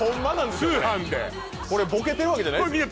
通販でこれボケてるわけじゃないですよ